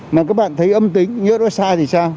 mà các bạn thấy âm tính nghĩa nó sai thì sao